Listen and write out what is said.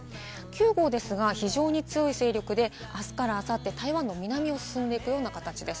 ９号ですが非常に強い勢力で、あすからあさって台湾の南を進んでいくような形です。